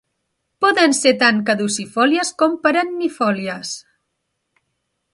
Poden ser tant caducifòlies com perennifòlies.